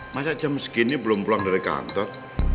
masa jam segini belum pulang dari kantor